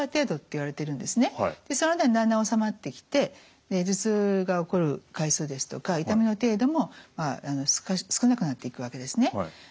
その間にだんだん治まってきて頭痛が起こる回数ですとか痛みの程度も少なくなっていくわけですね。